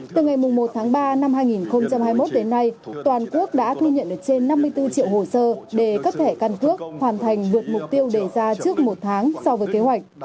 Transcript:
từ ngày một tháng ba năm hai nghìn hai mươi một đến nay toàn quốc đã thu nhận được trên năm mươi bốn triệu hồ sơ để cấp thẻ căn cước hoàn thành vượt mục tiêu đề ra trước một tháng so với kế hoạch